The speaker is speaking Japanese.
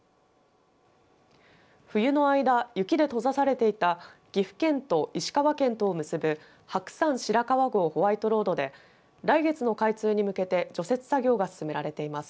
冬の間、雪で閉ざされていた岐阜県と石川県とを結ぶ白山白川郷ホワイトロードで来月の開通に向けて除雪作業が進められています。